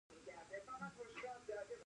ځمکه د افغانستان د جغرافیې بېلګه ده.